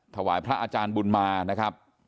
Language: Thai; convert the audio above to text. ถวายพระอาจารย์บุญมานะครับ